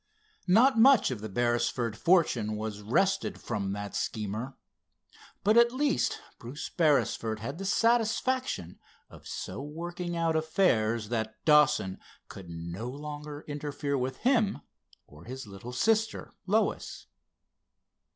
Not much of the Beresford fortune was wrested from that schemer, but at least Bruce Beresford had the satisfaction of so working out affairs that Dawson could no longer interfere with him or his little sister, Lois.